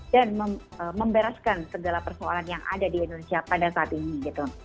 dan memberaskan segala persoalan yang ada di indonesia pada saat ini gitu